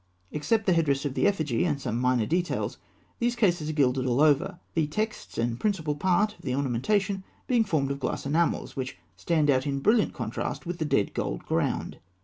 Except the headdress of the effigy and some minor details, these cases are gilded all over; the texts and the principal part of the ornamentation being formed of glass enamels, which stand out in brilliant contrast with the dead gold ground.